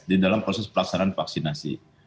di dalam proses pelaksanaan vaksinasi